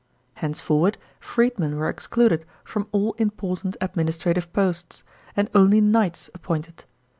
Henceforward freedmen were excluded from all im portant administrative posts, and only knights appointed.